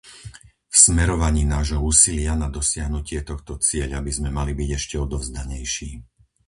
V smerovaní nášho úsilia na dosiahnutie tohto cieľa by sme mali byť ešte odovzdanejší.